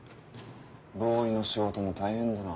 ボーイの仕事も大変だな。